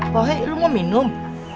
wah ini mau minum